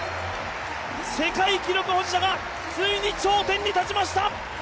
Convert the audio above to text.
世界記録保持者がついに頂点に立ちました。